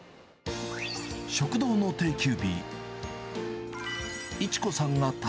食堂の定休日。